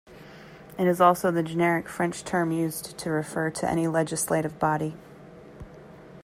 It is also the generic French term used to refer to any legislative body.